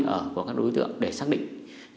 ở của các đối tượng để xác định